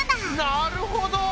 なるほど！